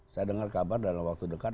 saya dengar kabar dalam waktu dekat